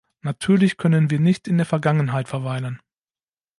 Natürlich können wir nicht in der Vergangenheit verweilen.